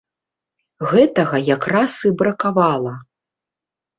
Гэтага якраз і бракавала.